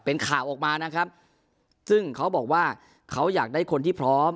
เป็นข่าวออกมานะครับซึ่งเขาบอกว่าเขาอยากได้คนที่พร้อม